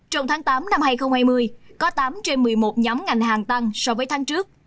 trong tháng tám năm hai nghìn hai mươi có tám trên một mươi một nhóm ngành hàng tăng so với tháng trước